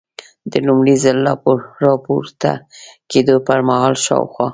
د لومړي ځل را پورته کېدو پر مهال شاوخوا.